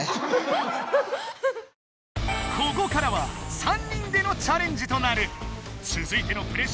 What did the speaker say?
ここからは３人でのチャレンジとなる。